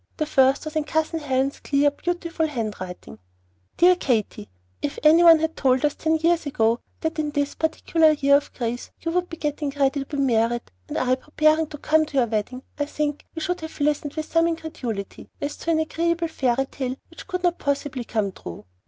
The first was in Cousin Helen's clear, beautiful handwriting: DEAR KATY, If any one had told us ten years ago that in this particular year of grace you would be getting ready to be married, and I preparing to come to your wedding, I think we should have listened with some incredulity, as to an agreeable fairy tale which could not possibly come true.